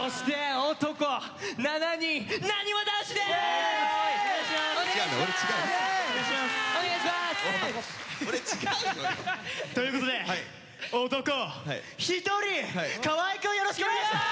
俺違うのよ。ということで男１人河合くんよろしくお願いします！